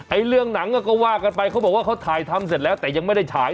เรื่องหนังก็ว่ากันไปเขาบอกว่าเขาถ่ายทำเสร็จแล้วแต่ยังไม่ได้ฉาย